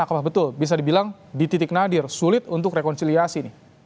apakah betul bisa dibilang di titik nadir sulit untuk rekonsiliasi